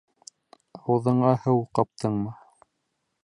— Ауыҙыңа һыу ҡаптыңмы?